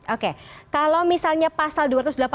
oke kalau misalnya pasal dua ratus delapan puluh